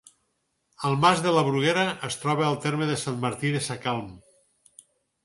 El mas de la Bruguera es troba al terme de Sant Martí Sacalm.